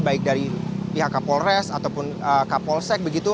baik dari pihak kapolres ataupun kapolsek begitu